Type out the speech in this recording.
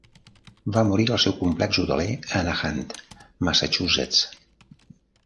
Va morir al seu complex hoteler a Nahant, Massachusetts.